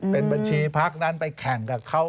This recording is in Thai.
เป็นบัญชีพักนั้นไปแข่งกับเขา